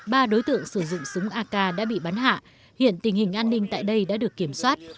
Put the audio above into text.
ba đối tượng sử dụng súng ak đã bị bắn hạ hiện tình hình an ninh tại đây đã được kiểm soát